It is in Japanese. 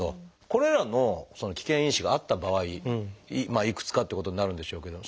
これらの危険因子があった場合いくつかということになるんでしょうけど